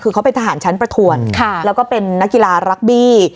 คือเขาเป็นทหารชั้นประทวนแล้วก็เป็นนักกีฬารักบี้